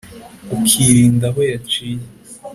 Ukirinda aho yaciye